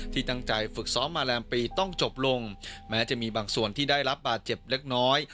ที่ตั้งใจฝึกซ้อมมาแรมปีต้องจบลงแม้จะมีบางส่วนที่ได้รับบาดเจ็บเล็กน้อย